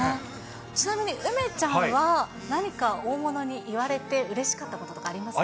ちなみに、梅ちゃんは、何か大物に言われてうれしかったこととかありますか。